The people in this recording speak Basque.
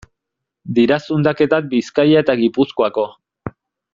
Dira zundaketak Bizkaia eta Gipuzkoako.